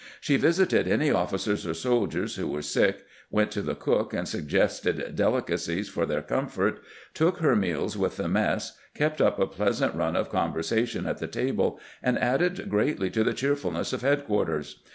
She visited any officers or soldiers who were sick, went to the cook and suggested delicacies for their comfort, took her meals with the mess, kept up a pleas ant run of conversation at the table, and added greatly to the cheerfulness of headquarters.